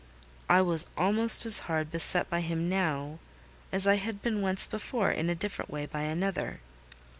I was almost as hard beset by him now as I had been once before, in a different way, by another.